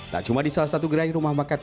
tak cuma di salah satu gerai rumah makan